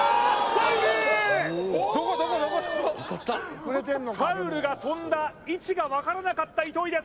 ファウルファウルが飛んだ位置が分からなかった糸井です